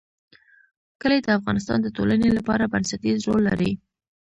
کلي د افغانستان د ټولنې لپاره بنسټيز رول لري.